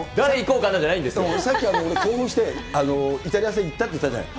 さっき興奮して、イタリア戦に行ったって言ったじゃない？